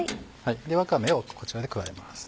わかめをこちらで加えます。